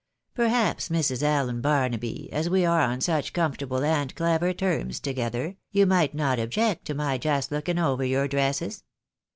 Perhaps, Mrs. Allen Barnaby, as ^'^•e are on such com fortable and clever terms together, you might not object to my just looking over your dresses